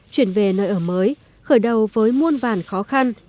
chuyển về nơi ở mới khởi đầu với muôn vàn khó khăn